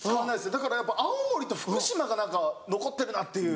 だからやっぱ青森と福島が何か残ってるなっていう。